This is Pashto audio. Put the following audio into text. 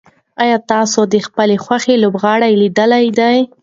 ایا تاسي د خپلې خوښې لوبغاړی لیدلی دی؟